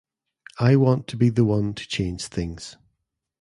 I want to be the one to change things.